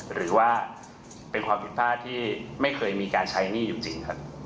หรือว่าเป็นความผิดพลาดที่ไม่เคยมีการใช้หนี้อยู่จริงครับ